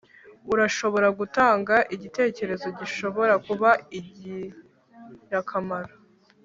Urashobora gutanga igitekerezo gishobora kuba ingirakamaro